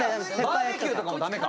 バーベキューとかもダメか？